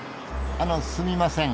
あのすみません。